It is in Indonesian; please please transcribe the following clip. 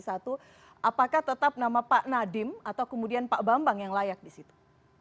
yang pertama tetap nama pak nadiem atau kemudian pak bambang yang layak disitu